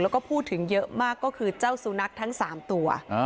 แล้วก็พูดถึงเยอะมากก็คือเจ้าสุนัขทั้ง๓ตัว